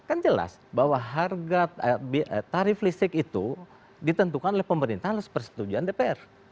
kan jelas bahwa tarif listrik itu ditentukan oleh pemerintah harus persetujuan dpr